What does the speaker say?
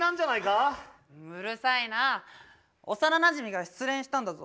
うるさいな幼なじみが失恋したんだぞ。